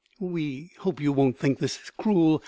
We hope you won't think this cruel.